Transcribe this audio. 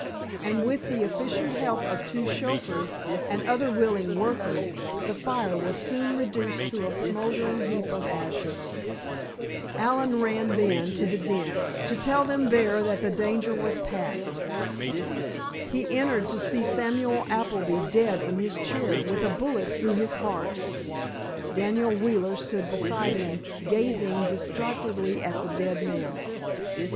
And with the efficient help of two chauffeurs and other willing workers the fire was soon reduced to a smouldering heap of ashes. Allen ran, then, to the den, to tell them there that the danger was past. He entered to see Samuel Appleby dead in his chair, with a bullet through his heart. Daniel Wheeler stood beside him, gazing distractedly at the dead man.